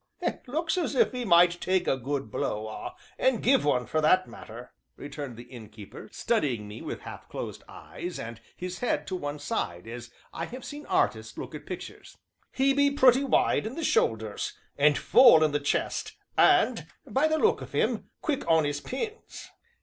"Looks as if 'e might take a good blow, ah! and give one, for that matter," returned the Innkeeper, studying me with half closed eyes, and his head to one side, as I have seen artists look at pictures. "He be pretty wide in the shoulders, and full in the chest, and, by the look of him, quick on 'is pins."